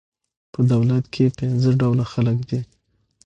په دولت کښي پنځه ډوله خلک دي.